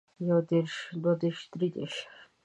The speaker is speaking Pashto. يو دېرش دوه دېرش درې دېرش